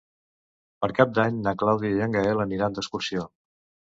Per Cap d'Any na Clàudia i en Gaël aniran d'excursió.